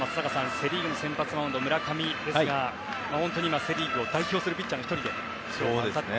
セ・リーグの先発マウンド村上ですが本当に今、セ・リーグを代表するピッチャーの１人です。